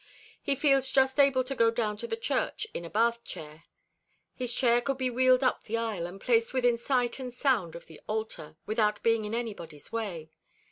He feels just able to go down to the church in a Bath chair. His chair could be wheeled up the aisle, and placed within sight and sound of the altar, without being in anybody's way.